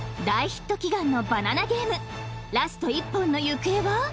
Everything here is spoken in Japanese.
［大ヒット祈願のバナナゲームラスト１本の行方は？］